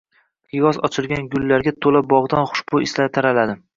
Qiyg`os ochilgan gullarga to`la bog`dan hushbo`y islar taraladi